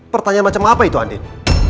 pertanyaan macam apa itu andin